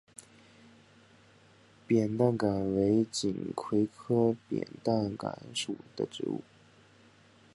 扁担杆为锦葵科扁担杆属的植物。